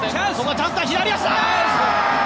チャンスだ、左足だ！